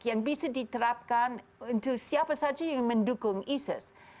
yang bisa diterapkan untuk siapa saja yang mendukung isis